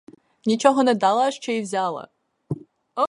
Нічого не дала, а ще взяла.